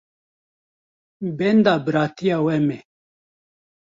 Benda biratiya we me.